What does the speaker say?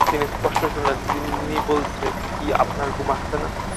তিনি স্পষ্ট শুনলেন, তিন্নি বলছে, কি, আপনার ঘুম আসছে না?